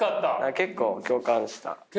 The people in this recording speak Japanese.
結構共感した？